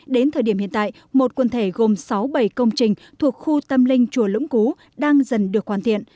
đến thời điểm hiện tại một quần thể gồm sáu bảy công trình thuộc khu tâm linh chùa lũng cú đang dần được hoàn thiện